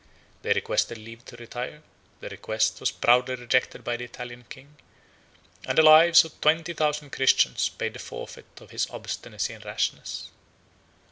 They requested leave to retire; their request was proudly rejected by the Italian king; and the lives of twenty thousand Christians paid the forfeit of his obstinacy and rashness.